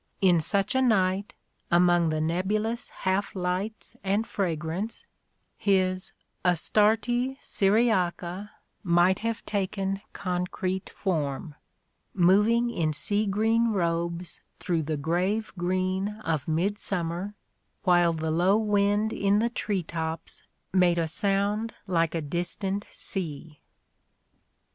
In such a night, among the nebulous half lights and fragrance, his Astarte Syriaca might have taken concrete form : moving in sea green robes through the grave green of mid summer, while the low wind in the tree tops made a sound like a distant sea.